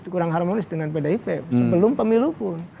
kurang harmonis dengan pdip sebelum pemilu pun